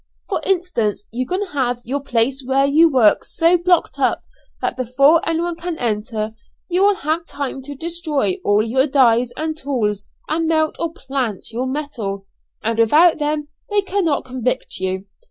For instance you can have your place where you work so blocked up that before anyone can enter, you will have time to destroy all your dies and tools; and melt or 'plant' your metal, and without them they cannot convict you.